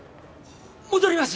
戻ります！